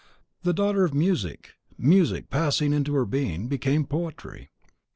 The daughter of music, music, passing into her being, became poetry.